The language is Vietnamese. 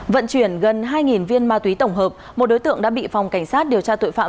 vận chuyển gần hai viên ma túy tổng hợp một đối tượng đã bị phòng cảnh sát điều tra tội phạm